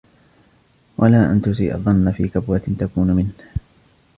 وَلَا أَنْ تُسِيءَ الظَّنَّ فِي كَبْوَةٍ تَكُونُ مِنْهُ